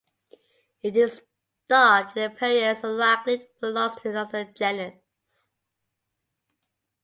It is dark in appearance and likely belongs to another genus.